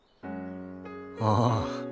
ああ！